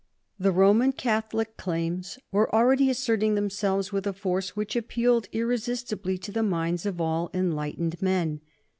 The Roman Catholic claims were already asserting themselves with a force which appealed irresistibly to the minds of all enlightened men.